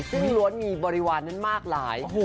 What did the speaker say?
ซึ่งล้วนมีบริวารนั้นมากหลาย